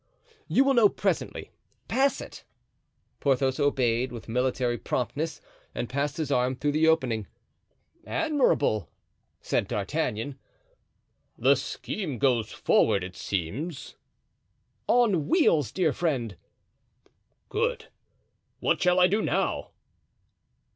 "You will know presently—pass it." Porthos obeyed with military promptness and passed his arm through the opening. "Admirable!" said D'Artagnan. "The scheme goes forward, it seems." "On wheels, dear friend." "Good! What shall I do now?"